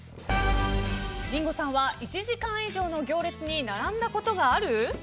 リンゴさんは１時間以上の行列に並んだことがある？